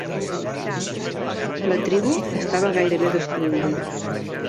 La tribu estava gairebé destruïda.